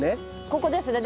ここですね？